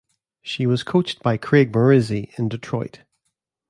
She was coached by Craig Maurizi in Detroit.